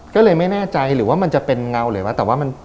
ก็เลยไม่แน่ใจหรือว่ามันจะเป็นเงาหรือว่าแต่ว่ามัน